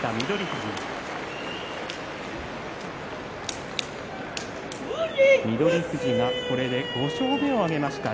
翠富士がこれで５勝目を挙げました。